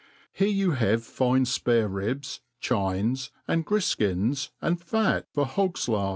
Here you have fine fpare^ribs, chines, and grii^ ins, ahd fat for hog's lard.